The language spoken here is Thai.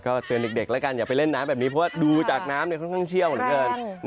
เตือนเด็กแล้วกันอย่าไปเล่นน้ำแบบนี้เพราะว่าดูจากน้ำค่อนข้างเชี่ยวเหลือเกิน